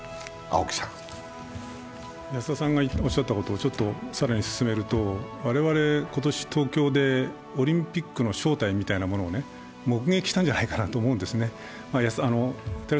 安田さんがおっしゃったことを更に進めると、我々今年東京でオリンピックの正体みたいなものを目撃したんじゃないかなと思うんですよね。